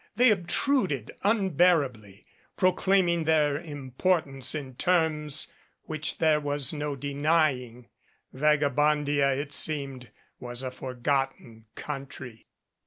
They obtruded unbearably, pro claiming their importance in terms which there was no denying. Vagabondia, it seemed, was a forgotten country.